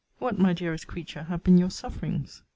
What, my dearest creature, have been your sufferings!